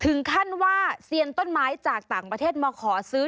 ถึงขั้นว่าเซียนต้นไม้จากต่างประเทศมาขอซื้อ